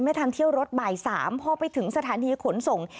ทางเที่ยวรถบ่าย๓พอไปถึงสถานีขนส่ง